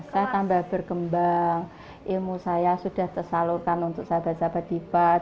saya tambah berkembang ilmu saya sudah tersalurkan untuk sahabat sahabat difat